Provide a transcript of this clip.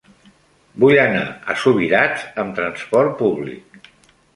Vull anar a Subirats amb trasport públic.